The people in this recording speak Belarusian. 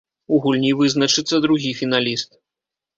У гульні вызначыцца другі фіналіст.